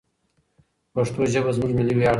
پښتو ژبه زموږ ملي ویاړ دی.